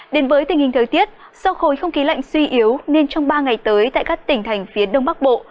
đến với tình hình thời tiết do khối không khí lạnh suy yếu nên trong ba ngày tới tại các tỉnh thành phía đông bắc bộ